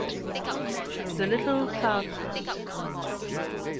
THE LITTLE SOUTH WIND.